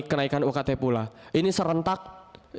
kenaikan ukt pula ini serentak